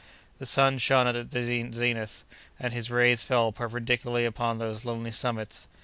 The sun shone at the zenith, and his rays fell perpendicularly upon those lonely summits.